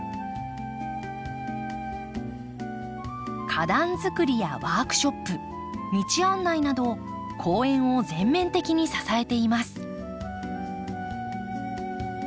花壇づくりやワークショップ道案内など公園を全面的に支えています。